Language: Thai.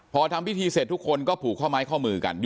พอทำพิธีเสร็จทุกคนก็ผูกข้อไม้ข้อมือกัน